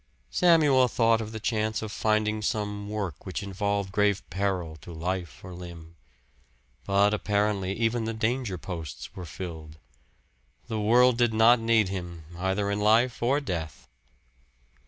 Samuel thought of the chance of finding some work which involved grave peril to life or limb; but apparently even the danger posts were filled. The world did not need him, either in life or death!